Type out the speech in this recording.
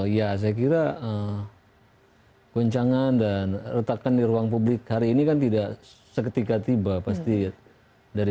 ya saya kira goncangan dan retakan di ruang publik hari ini kan tidak seketika tiba pasti dari